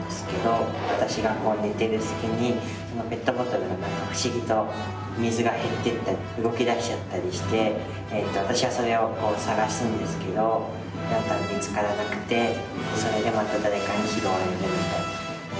私がこう寝てる隙にペットボトルが何か不思議と水が減ってったり動き出しちゃったりして私はそれをこう捜すんですけど見つからなくてそれでまた誰かに拾われるみたいな。